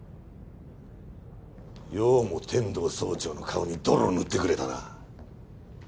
ようも天堂総長の顔に泥を塗ってくれたな。